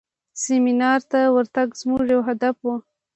سیمینار ته ورتګ زموږ یو هدف و.